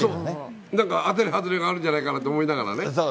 なんか当たり外れがあるんじゃないかなと思いながらね。